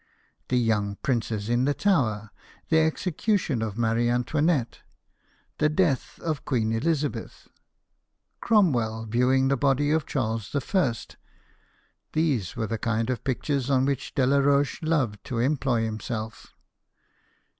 " The Young Princes in the Tower," " The Execution of Marie Antoinette," "The Death of Queen Eliza beth," " Cromwell viewing the Body of Charles I/' these were the kind of pictures on which Delaroche loved to employ himself.